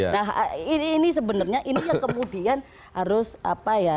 nah ini sebenarnya ini yang kemudian harus apa ya